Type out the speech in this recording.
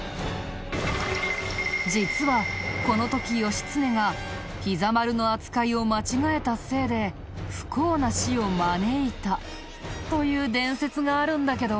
実はこの時義経が膝丸の扱いを間違えたせいで不幸な死を招いたという伝説があるんだけど。